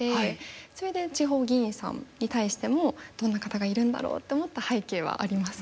それで地方議員さんに対してもどんな方がいるんだろうって思った背景はあります。